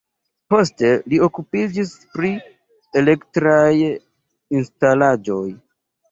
Poste li okupiĝis pri elektraj instalaĵoj.